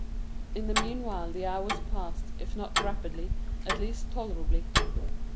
In the meanwhile the hours passed, if not rapidly, at least tolerably.